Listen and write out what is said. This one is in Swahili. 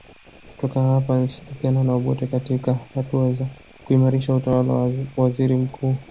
Kutoka hapa alishirikiana na Obote katika hatua za kuimarisha utawala wa waziri mkuu